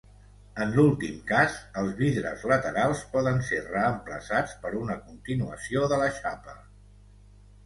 En l'últim cas, els vidres laterals poden ser reemplaçats per una continuació de la xapa.